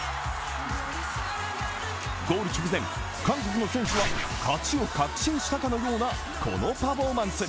ゴール直前、韓国の選手は勝ちを確信したかのようなこのパフォーマンス。